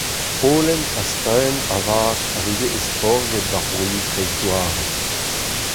Holen ha staen avat a veze ezporzhiet d'ar broioù kreizdouarel.